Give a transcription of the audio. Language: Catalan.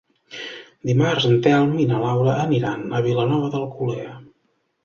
Dimarts en Telm i na Laura aniran a Vilanova d'Alcolea.